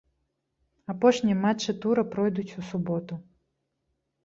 Апошнія матчы тура пройдуць у суботу.